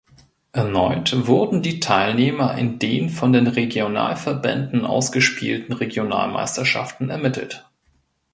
Erneut wurden die Teilnehmer in den von den Regionalverbänden ausgespielten Regionalmeisterschaften ermittelt.